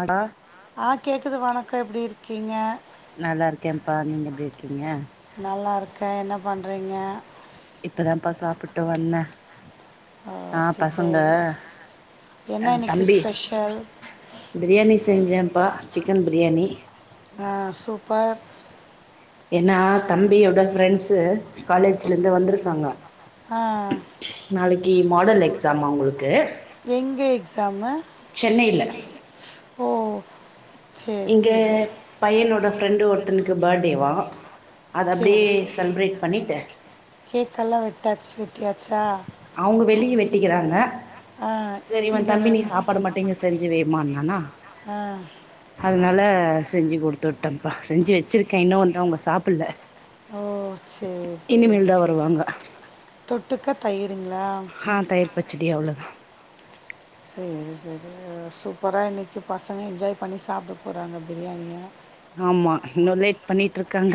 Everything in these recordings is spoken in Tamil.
ஆடா ஆஹ் கேக்குது வணக் அக்கா எப்படி இருக்கீங்க நல்லா இருக்கேப்பா நீங்க எப்படி இருக்கீங்க நல்லா இருக்கே என்ன பண்றீங்க இப்பதாப்பா சாப்பிட்டு வந்தேன் ஓ ஆஹ் சரி பசங்க சரி என்ன அஹ் இன்னைக்கு தம்பி ஸ்பெஷல் பிரியாணி செஞ்சேப்பா சிக்கன் பிரியாணி ஆ சூப்பர் ஏன்னா தம்பியோடய ஃப்ரெண்ட்ஸ் காலேஜ்லேருந்து வந்துருக்காங்க ஆஹ் டி மாடல் எக்ஸாமா அவுங்களுக்கு எங்க எக்ஸாமு சென்னையில ஓ சரி இங்க சரி பையனோட ஃப்ரெண்டு ஒருத்தனுக்கு பர்த்டே வா செரி செரி கேக்ல்லாம் வெட்டாச் ட்டியாச்சா அவுங்க வெளிய வெட்டிக்கிறாங்க ஆ செரிவன் இங்கே தம்பி நீ வரு சாப்பாடு மட்டு இங்க செஞ்சு வைமான்னானா ஆ அதுனால அ செஞ்சு குடுத்து வுட்டம்ப்பா செஞ்சு வச்சிருக்கே இன்னு வந்து அவுங்க சாப்புட்ல ஓ சேரி சேரி சேரி தொட்டுக்க தயிரு ஹ தயிர் பச்சடி அவ்ளதா சேரி சேரி சூப்பரா இன்னக்கி பசங்க என்ஜாய் பண்ணி சாப்ட போறாங்க பிரியாணிய ஆமா இன்னு லேட் பண்ணிட்ருக்காங்க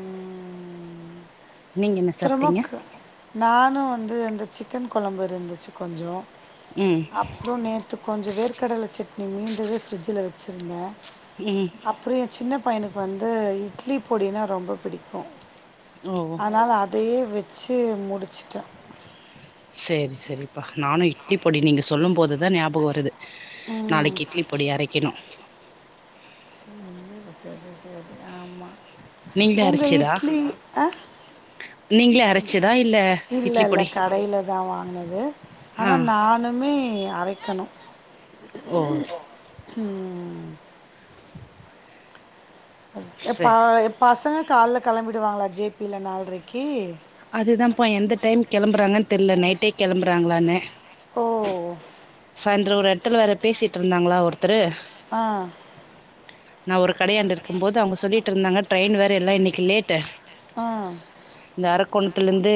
ம் நீங்க என்ன சாப்டீங்க நானு வந்து இந்த சிக்கன் கொழம்பு இருந்துச்சு கொஞ்சொ ம் அப்றொ நேத்து கொஞ்ச வேர்க்கடல சட் னி மீந்தது ஃப்ரிட்ஜுல வச்சுருந்தே ம் அப்ற எ சின்ன பையனுக்கு வந்து இட்லி பொடினா ரொம்ப பிடிக்கு ஓ ஆனால அ தையே வச்சு முடுச்சுட்ட சேரி செரிப்பா நானு இட்லி பொடி நீங்க சொல்லும் போதுதா ஞாபக வருது ம் நாளைக்கி இட்லி பொடி அரை க்கெனு சேரி ஆமா நீங்களே உங்க இட்லி அ நீங்ளே அரச்ச இல்லல்ல கடைல தா வாங்குனது ஆ ஆனா நானுமே அரை க்கணு ஓ உம் எப்பா சரி பசங்க கால்ல கெளம்பிடுவாங்ளா ஜே பில நால்ரக்கி அதுதாம்ப்பா எந்த டைம் கெளம்புறாங்கன் தெர்ல நைட்டே கெளம்புறாங்ளானு ஓ சாயந்தரோ ஒரு எட்த்துல வேற பேசிட்ருந்தாங்களா ஒருத்தரு ஆ நா ஒரு கடையாண்ட இருக்கும் போது அவுங்க சொல்லிட்ருந்தாங்க ட்ரெயின் வேற இல்ல இன்னைக்கு லேட் டு ஆ இந்தார குணுத்துலிருந்து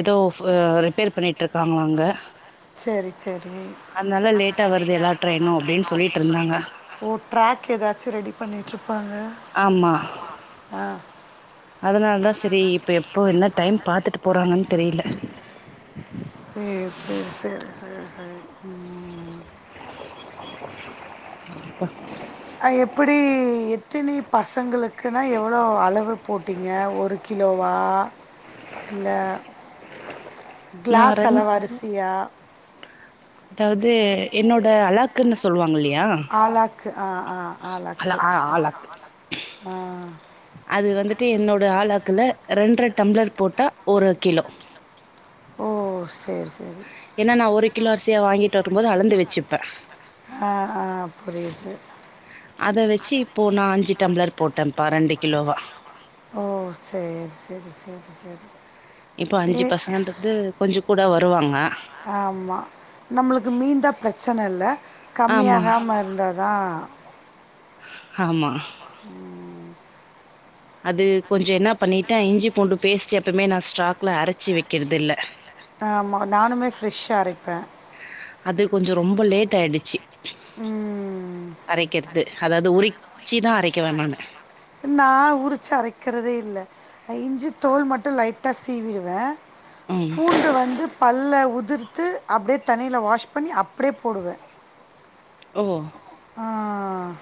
ஏதோ ரிப்பேர் பண்ணிட்டுருக்காங்களா அங்க. சேரி சேரி அதுனால லேட்டா வருது எல்லா ட்ரெயின்னு சொல்லிட்டு இருந்தாங்க ஓ டிராக் எதச்சும் ரெடி பன்னிட்ருப்பாங்க. ஆமா ஆஹ. அதனாலதா சேரி இப்ப எப். இப்போ என்ன டைம் பாத்துட்டு போறாங்கன்னு. தெரில. சேரி சேரி சேரி. சேரி சேரி. உஹம். ப்ப. அ எப்புடி எத்தினி பசங்களுக்குன்னா எவ்வளோ அளவு போட்டீங்க ஒரு கிலோவா இல்ல. நான் கிளாஸ் ரன் அளவு அரிசியா. அதாவது என்னோட அழக். க்னு சொல்லாங்கில்லையா. யா ஆளாக்கு ஆ ஆ அல ஆளாக்கு ஆஹ ஆலாக் ஆ அது வந்துட்டு என்னோட ஆலாக்கு. குல ரெண்ர டம்ளர் போட்டா ஒரு கிலோ. ஓ சேரி சேரி. ஏன்னா நான் ஒரு கிலோ அரிசியா வாங்கிட்டு வரும்போது அளந்து வச்சு. ப்ப ஆ ஆ புரியுது அத வச்சு இப்போ நான் அஞ்சு டம்ளர். போட்டம். ப்பா ரெண்டு கிலோவா. ஓ சேரி சேரி சேரி. சேரி. இப்போ அஞ்சு பசங்கன்றது கொஞ்சம் கூட வரு. வருவாங்க. ஆமா நம்மளுக்கு மீந்தா பிரச்சன இல்ல. ஆமா கம்மியகாம இருந்தாதா. ஆமா. உம். அது கொஞ்சோ என்ன பண்ணிட்டு இஞ்சி பூண்டு பேஸ்ட் எப்பவுமே நான் ஸ்ட்க்ல அரைச்சி வைக்குறது இல்ல. ஆமா நானுமே ஃப்ஷ்ஷா அரைப்ப. அது கொஞ்சோ ரொம்ப லேட் ஆயிடுச்சு. ம். அரைக்கிறது அதாவது உரி. உரிச்சிதா அரைக்குவ நானு. நா ஊரிச்சு அரைக்கிறதே இல்ல. இஞ்சி தோல் மட்டும் லைட்டா சீவிடுவ. ம் பூண்டு வந்து பல்ல உ. உதிர்த்து அப்படியே தண்ணியில வாஷ் பண்ணி அப்படியே போடுவ. ஓ ஆஹ்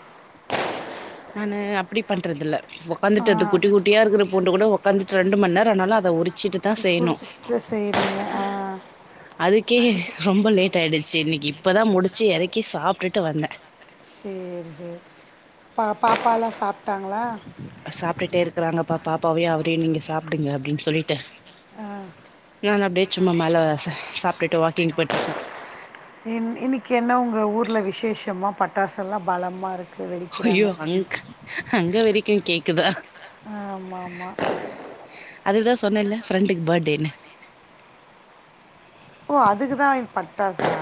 நானு அப்டி பண்றதுல உட்காந்துட்டு அது குட்டி குட்டியா இருக்கிற பூண்ட கூட ஒக்காந்துட்டு ரெண்டு மண் நேரம் ஆனாலும் அத உரி ரிச்சிட்டு தான் செய்யணும் பிடிச்சிட்டு செய்கிறீங்க ஆ அதுக்கே ரொம்ப லேட் ஆயிடுச்சு இன்னிக்கி இப்பதான் முடிச்சு இறக்கி சாப்ட்டுட்டு வந்தேன் சரி சரி பா பாப்பால்லாம் சாப்டாங்களா சாப்ட்டுட்டே அப்டிங்க அப்டின்னு சொல்லிட்டு ஆ நான் அப்டியே சும்மா மேல சாப்ட்டுட்டு வாக்கிங் போயிட்டுருக்க க ஊர்ல விசேஷமா பட்டாசுல்லாம் பலமாக இருக் ஜயோ அங்க அங்க வரைக்கும் கேக்குதா ஆமாம் ஆமாம் அது தான் சொன்னே இல ஃப்ரெண்டுக்கு பர்டேனு ஓ அதுக்குதான் பட்டாசா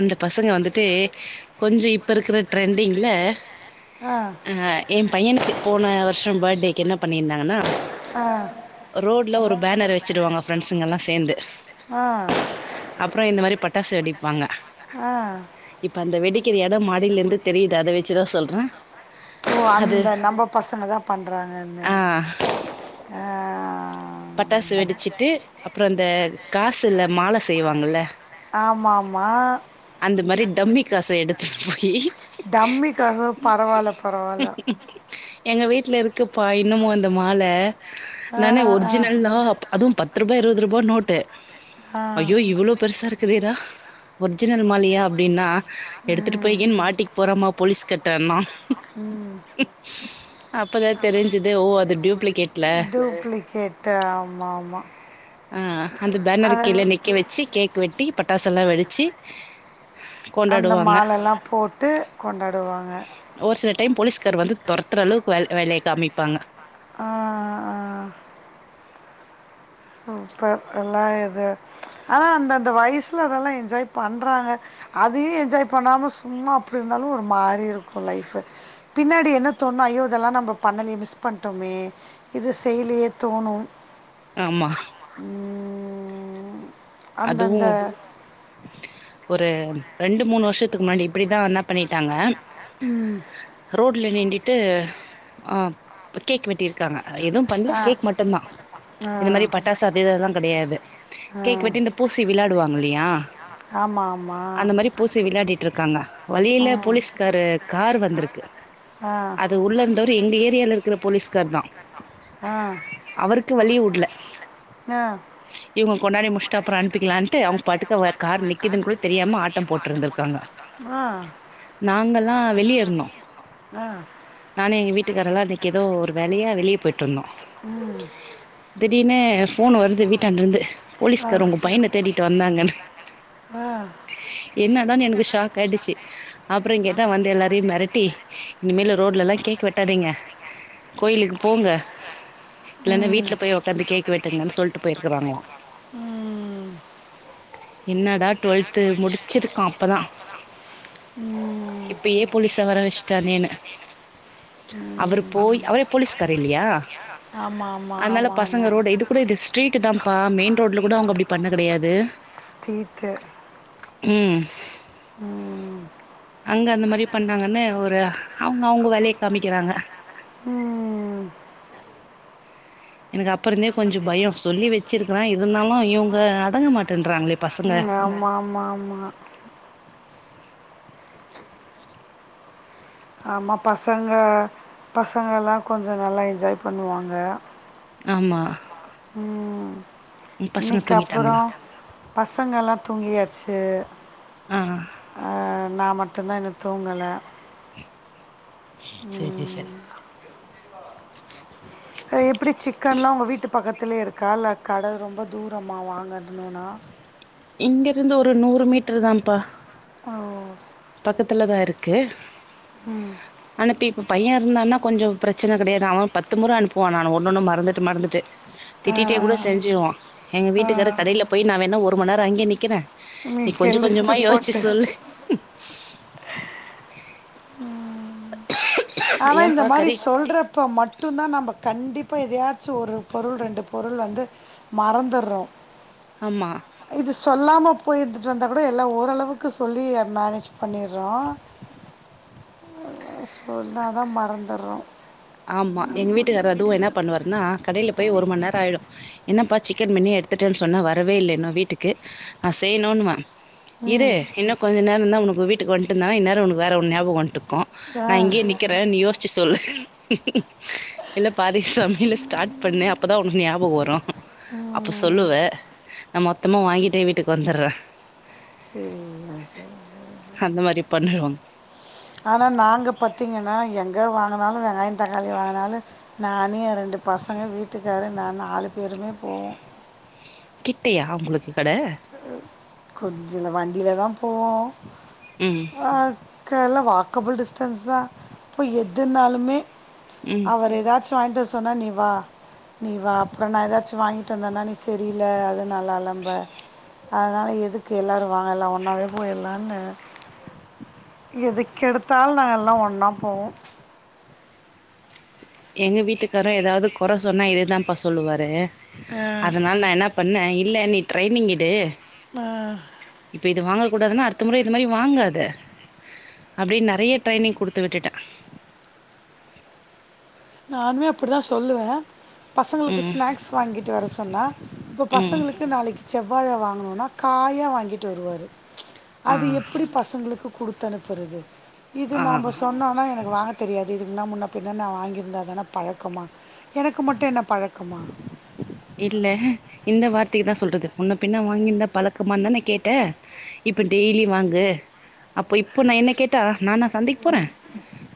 அந்த பசங்க வந்துட்டு கொஞ்சம் இப்ப இருக்கிற ட்ரெண்டிங்ல ஆ அஹ் என் பையனுக்கு போன வருஷம் பர்டே என்ன பண்ணியிருந்தாங்கண்ணா ஆ ரோட்ல ஒரு பேனர் வச்சடுவாங்க பிரெண்ட்ஸ்சுங்கல்லாம் சேர்ந்து ஆ அப்புறம் இந்த மாதிரி பட்ட பட்டாசு வெடிப்பாங்க ஆஹ் இப்ப அந்த வெடிக்கிற இடம் மாடியில் இருந்து தெரியுது அத வச்சுதான் சொல்றேன் ஓ அந்த நம்ம பசங்க தான் பண்றாங்கன்னு ஆ அஹ் பட்டாசு வெடிச்சுட்டு அப்புறம் அந்த காசுல மாலை செய்வாங்கல ஆமா ஆமா அந்த மாதிரி டம்மி காசு எடுத் [inaudible] டம்மி காசா பரவால்ல பரவால்ல எங்க வீட்டில் இருக்குப்பா இன்னமும் அந்த மால ஆஹ் ஆஹ் அஹ் ஒரிஜினல் தான் அதும் பத் பத்ரூபா இருபது ரூபா நோட்டு ஆ ஐய்யோ இவ்ளோ பெருசா இருக்குதேரா ஒரிஜினல் மாலியா அப்டின்னா எடுத்துட்டு ம் போயங்கன்னு மாட்டிக்கு போறமா போலீஸ் கட்டனா ம் அப்பதான் தெரிஞ்சது ஓ அது டூப்ளிகேட்ல ட்டு ஆமாமா ஆஹ் அந்த பேனரு கீழே நிக்க வச்சி கேக் வெட்டி பட்டாசு செல்லாம் வெடிச்சி அந்த மாலைல்லாம் போட்டு கொண்டாடுவாங்க சில ஒரு டைம் போலீஸ்கார் வந்து துரத்துற அளவுக்கு வேலைய காமிப்பாங்க ஆஹ் ஆஹ் சூப்பர் எல்லா இது ஆனா அந்த அந்த வயசுல அதெல்லாம் என்ஜாய் பண்றாங்க அதையும் என்ஜாய் பண்ணாம சும்மா அப்படி இருந்தாலும் ஒரு மாரி இருக்கும் லைஃப் பின்னாடி என்ன தோணும் ஐயோ இதெல்லாம் நம்ம பண்ணலயே மிஸ் பண்ணிடோமே இது செய்லயே தோணும் ஆமா உம், அந்தந்த அதுவும் ஒரு ரெண்டு மூணு வரு ஷத்துக்கு முன்னாடி இப்படிதான் பண்ணிட்டாங்க உம் ரோட்ல நிண்டுட்டு ஹ கேக் வெட்டியிருக்காங்க எதுவும் பண்ணல ஆ கேக் மட்டும்தான் ஆ இந்த மாதிரி பட்டாசு அது இதெல்லாம் கெடையாது ஆ கேக் வெட்டி பூசி விளாடுவாங்க இல்லையா ஆமாம் ஆமாம் அந்த மாதிரி பூசி விளையாடிட்டு இருக்காங்க வழியில போலீஸ்காரர் கார் வந்திருக்கு ஆ அது உள்ள இருந்தவரு எங்க ஏரியால இருக்கு குற போலீஸ் தான் ஆ அவருக்கு வழி விடல ஆ இவங்க கொண்டாடி முடிச்சுட்டு அப்ற அனுப் அவங்க பாட்டுகு கார் நிக்கிதுணு கூட தெரியாம ஆட்டம் போட்டு இருந்திருக்காங்க ஆ நாங்கல்லாம் வெளிய இருந்தோம் ஆ நானும் எங்க வீட்டுக்காரல்லாம் அன்னைக்கி எதோ ஒரு வேலையா வெளிய ம் திடீர்ணு ஃபோன் வருது வீட்டாண்டருந்து ஆ போலீஸ்கார உங்க பயண தேடிட்டு வந்தாங்க ஆ என்னதானு எனக்கு ஷாக் ஆயிடுச்சு அப்புறம் கேட்டா வந்து எல்லாரையும் மிரட்டி இனிமல் ரோட் லெல்லாம் கேக் வெட்டாதீங்க கோயிலுக்கு போங்க இல்லலைன்னா ம் வீட்டுல போய் உக்காந்து கேக்கு வெட்டுங்கன்னு சொல்லிட்டு போயிருக்கறாங்களா ம் என்னடா டுவெல்து முடிச்சிட்டு அப்பதான் ம் இப்பவே ஏ போலீஸ்ஸ வர வச்சுடானு அவரு ம் போய் அவரே போலீஸ்கார இல்லயா ஆமாம் ஆமாம் அதனால ஆமாம் பசங்க ஆமாம் ரோடு இது கூட ஸ்டீரீட் தாப்பா மெயின் ரோடுல கூட அவங்கப்படி பண்ண கெடையாது ஸ்ட்ரீட்டு உம் ம் அங்க அந்த மாதிரி பண்ணாங்கன்னு ஒரு அவங்க அவங்க வேலைய காமிக்கிறாங்க உம் எனக்கு அப்புற இருந்தே கொஞ்சோ பயம் சொல்லி வச்சிருக்கறேன் இருந்தாலும் இவங்க அடங்க மாட்டே உம் ஆமா ஆமா ஆமா ஆமா பசங்க பசங்க எல்லாம் கொஞ்சோ நல்லா என்ஜாய் பண்ணுவாங்க ஆமா ம் பசங்க இன்னைக்கு தூங்கிட்டாங்களா அப்புறம் பசங்கல்லா தூங்கியாச்சு அ [inaudible] நான் மட்டு தான் இன்னு தூங்கல செரி ம். செரிப்பா ஜுவா பக்கத்துலே இருக்கா இல்ல கட ரொம்ப தூரமா வாங்கணும்னா இங்க இருந்து ஒரு நூறு மீட்டர் தான்ப்பா உம் பக்கத்துல தான் இருக்கு ம். அனுப்பி இப்ப பையன் இருந்தான்னா கொஞ்ச பிரச்சன கெடையாது அவன் பத்து முற அனுப்ப போனான் ஒன்னு ஒன்னு மறந்துட்டு மறந்துட்டு ஆ, திட்டிட்டே ஆ. கூட செஞ்சிருவான் எங்க வீட்டுக்காரு கடையில போய் நா வேணா ஒரு மண்நேரம் அங்கே நிக்கிறன் நீ நீங்க கொஞ்ச லிஸ்ட் கொஞ்சமா யோசிச்சு போட்டு சொல்லு உம் [unintelligible] ஆனா இந்த ஏம்பா மாரி கறி சொல்றப்ப மட்டும் தான் நம்ப கண்டிப்பா எதயாச்சும் ஒரு பொருள் ரெண்டு பொருள் வந்து மறந்துறோம் ஆமா சொல்லாம போயி எடுத்துட்டு வந்தா கூட எல்லாம் ஓரளவுக்கு சொல்லி மேனேஜ் பண்ணிறோம் சொன்னாதான் மறந்துறோம் ஆமா எங்க வீட்டுக்கார் அதுவும் என்ன பண்ணுவாருன்னா கடைல போய் ஒரு மணி நேரம் ஆய்டும் என்னப்பா சிக்கன் மின்னயே எடுத்துட்டேன்னு சொன்ன வரவே இல்ல இன்னோ வீட்டுக்கு நான் செய்ணுன்வேன் இரு ம் இன்னும் கொஞ்சோ நேரோந்தான் உன் வீட்டுக்கு வண்ட்டனா இன்னேரோ வேற ஒன்னு ஞாபகம் வண்ட் கும் ஆ நான் இங்கேயே நிக்கிறேன் நீ யோசிச்சு சொல்லு [inaudible] இல்ல பாதி சொல்ல ஸ்டாட் பண்ணு அப்பதான் உனக்கு ஞாபகம் வரும் அப்ப சொல்லுவே நம்மப் மொத்தமா வாங்கிட்டே வீட்டுக்கு வந்துறே செரி செரி அந்த மாரி பண்ணிடுவாங்க ஆனா நாங்க பாத்தீங்கன்னா எங்க வாங்குனாலும் வெங்காயம் தக்காளி வாங்குனாலும் நானும் ரெண்டு பசங்க வீட்டுக்கார் நான் நாலு பேருமே போவோம் கிட்டையா உங்களுக்கு கட கொஞ்சலவாணி இதுல தான் போவோம் ம் ஆ நால்லாம் வாக்கபுள் டிஸ்டன்ஸ் தான் இப்போ எதுனாலுமே ம் அவர் ஏதாச்சும் வாங்கிட்டு வர சொன்னா நீ வா நீ வா அப்றோம் நான் ஏதாச்சும் வாங்கிட்டு வந்தேன்னா நீ சரியில்ல அது நல்லா இல்ல என்ப அதனால எதுக்கு எல்லாரும் வாங்கல்லாம் ஒன்னாவே போயிடலான்னு எதுக்கெடுத்தாலும் நாங்க எல்லாம் ஒன்னா போவோம் எங்க வீட்டுக்காரு ஏதாவது கொறை சொன்னா இததுதான்ப்ப சொல்லுவாரு அஹ ஆ, அதனால நான் என்ன பண்ணேன் இல்ல நீ ட்ரைனிங் எடு ட்டு ஆ இப்ப இது வாங்க கூடாதுன்னா அடுத்த முற இது மாரி வாங்காத அப்டின்னு நெறைய ட்ரைனிங் குடுத்து விட்டுட்டேன் நானுமே அப்டித்தான் சொல்லுவேன் பசங்களுக்கு ம் ஸ்நாக்ஸ் வாங்கிட்டு வர ல்லா இப்ப ம் பசங்களுக்கு நாளைக்கு செவ்வாழ வாங்கனுனா காயா வாங்கிட்டு வருவாரு ஆ அது எப்டி பசங்களுக்கு குடுத்தனுப்புரது இது ஆ நாம சொன்னனா எனக் வாங்க தெரியாது இதுன்னா முன்னா பின்ன நா வாங்கி இருந்தா தான பழக்கமா எனக்கு மட்டும் என்ன பழக்கமா இல்ல இந்த வார்த்தக்கு தான் சொல்றது உன்ன பின்னா வாங்கிருந்தா பழக்கமாதான கேட்ட இப்ப டெய்லி வாங்கு அப்ப இப்ப நான் என்ன கேட்டா நானா சந்தைக்கு போறேன்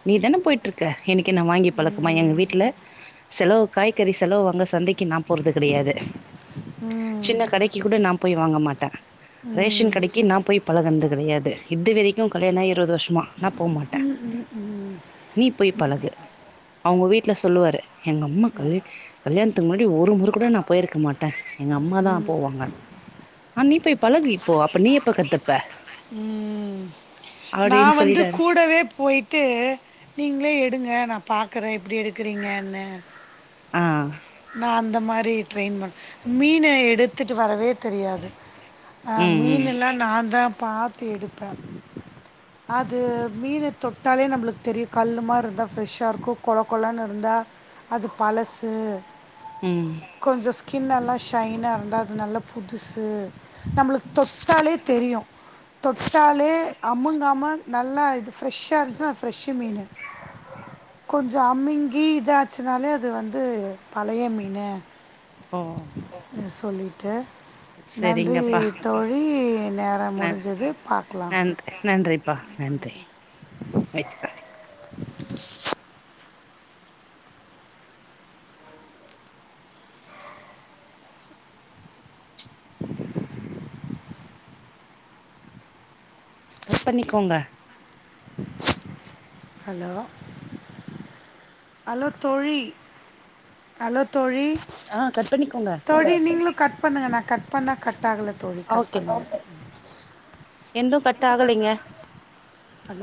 நீ தானே போயிட்டு இருக் க இன்னக்கி நான் வாங்கி பழக்கமா எங்க வீட்ல செலவு காய்கறி செலவு உங்க சந்தைக்கு நான் போறது கிடையாது ம் சின்ன கடைக்கு கூட நான் போய் வா வாங்க மாட்டன் ரேஷன் ம் கடைக்கு நான் போய் பழகினது கிடையாது இதுவரக்கிம் கல்யாண ஆயி இருபது வருஷம் மா நான் போக மாட்டேன் நீ போய் பழகு அவுங்க வீட் ல சொல்லுவாரு எங்கம்மா கல் கல்யாணி முன்னாடி ஒர் [unintelligible] நான் போயிருக்க மாட்டன் ட்டன் எங்க அம்மாதான் போவாங்க ஆஹ் நீப்போய் பழகிப்போ அப்ப நீ எப்ப கத்துப்ப ம் அப்டின்னு நான் வந்து சொல்லிட்டாரு கூடவே விடுங்க நான் பாக்குறேன் இப்டி எடுக்கிறீங்கன்னு ஆஹ் அந்த மாரி ட்ரெயின் ப மீன எடுத்து வத்துட்டு வரவே தெரியாது அ ம் ம் மீன்ல்லாம் நான் தான் பாத்து எடுப்பேன் அது மீன தொட்டாலே நம்மளுக்கு தெரியும் கல்லு மாரி இருந்தா ஃப்ரெஷ்ஷா இருக்கும் கொழ கொளான்னு இருந்தா அது பழசு உம் கொஞ்சம் ஸ்கின் நல்லா ஷைனாக இருந்தா அது நல்லா புதுசு நம்மளுக்கு தொட்டாலே தெரியும் தொட்டாலே அமுங்காம நல்லா இது ஃப்ரெஷ்ஷா இருந்துச்சுனா அது ஃப்ரெஷு மீன் கொஞ்சம் அமிங்கி இதாச்சுனாலே அது வந்து பழய மீனு ஓ [unintelligible] சொல்லிட்டு நன்றி சரிங்கப்பா தோழி நேரம் ந முடிஞ்சது பாக்கலாம் நன்றி நன்றிப்பா நன்றி நெச்சுக கட்பன்னிக்கோங்க ஹலோ ஹலோ தோழி ஹலோ தோழி ஆ கட் பண்ணிக்கோங்க தோழி நீங்களும் கட் பண்ணுங்க நான் கட் பண்ணன் கட் ஆகல தோழி கட் ஓகே பண்ணு எந்தும் கட் ஆகலைங்க